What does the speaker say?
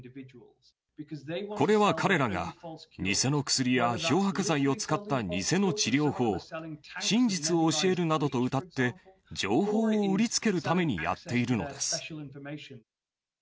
これは彼らが、偽の薬や漂白剤を使った偽の治療法、真実を教えるなどとうたって、情報を売りつけるためにやっているのです。